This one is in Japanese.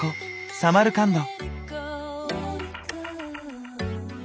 サマルカンド。